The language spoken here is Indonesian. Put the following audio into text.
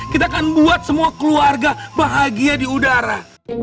kita akan buat semua keluarga bahagia di udara